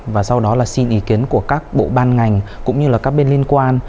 và sau đó là xin ý kiến của các bộ ban ngành cũng như là các bên liên quan